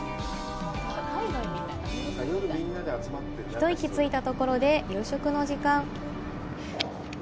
一息ついたところで夕食の時間。